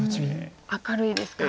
明るいですか。